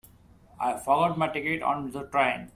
I forgot my ticket on the train.